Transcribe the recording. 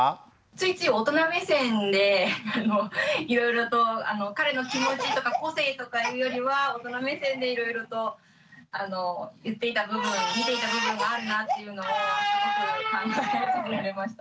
ついつい大人目線でいろいろと彼の気持ちとか個性とかいうよりは大人目線でいろいろと言っていた部分見ていた部分があるなっていうのをすごく考えさせられました。